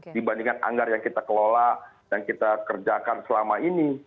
ini adalah hal yang kita kelola dan kita kerjakan selama ini